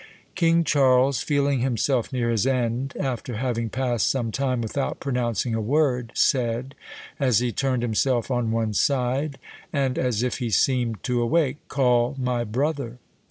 "King Charles, feeling himself near his end, after having passed some time without pronouncing a word, said, as he turned himself on one side, and as if he seemed to awake, 'Call my brother!'